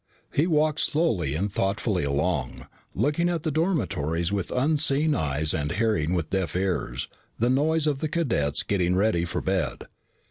He walked slowly and thoughtfully along, looking at the dormitories with unseeing eyes and hearing with deaf ears the noise of the cadets getting ready for bed.